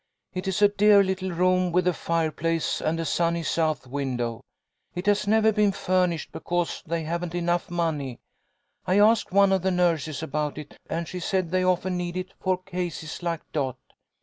It is a dear little room with a fireplace and a sunny south window. It has never been furnished because they haven't enough money. I asked one of the nurses about it, and she said they often need it for cases like Dot.